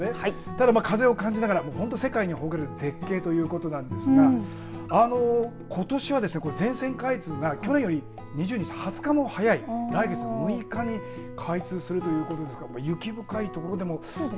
風を感じながら世界に誇る絶景ということなんですがことしは全線開通が去年より２０日も早い来月６日に開通するということですから雪深い所でも。